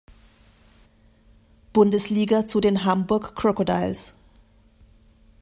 Bundesliga zu den Hamburg Crocodiles.